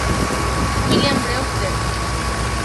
William Brewster